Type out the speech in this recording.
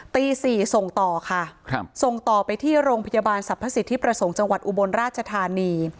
ตี๔ส่งต่อค่ะส่งต่อไปที่โรงพยาบาลสรรพสิทธิประสงค์จังหวัดอุบลราชธานี